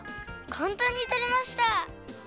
かんたんにとれました。